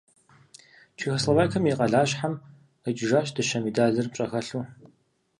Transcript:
Чехословакием и къалащхьэм къикӀыжащ дыщэ медалыр пщӀэхэлъу.